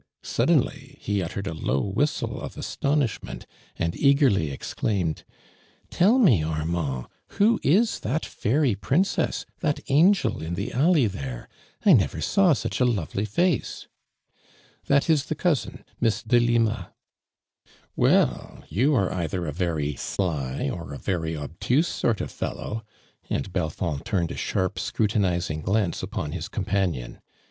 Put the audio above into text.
Suddenly ho uttered a low whistle of astonishment and eagerly exclaimed : "Tell mo, Armand, wlio is that fairy princess, that angel in the alley there '( I I never saw such a lovely face !"' "That is the cousin. Miss Delima."' ARMAND DCRAKD. tB in " Well you we either ft very sly, or a very obtuse sort of fellow I" and Belfond turned 11 sharp, scrutinizing glance upon \w com panion.